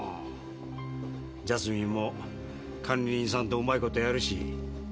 ジャスミンも管理人さんとうまいことやるし。